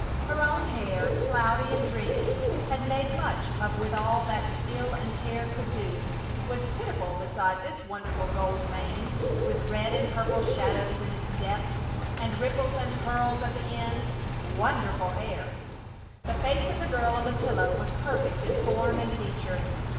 Her own hair, cloudy and dreamy, and made much of with all that skill and care could do, was pitiful beside this wonderful gold mane with red and purple shadows in its depths, and ripples and curls at the ends. Wonderful hair! The face of the girl on the pillow was perfect in form and feature.